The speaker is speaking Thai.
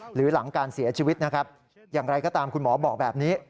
หรือหลังการเสียชีวิตนะครับอย่างไรก็ตามคุณหมอบอกแบบนี้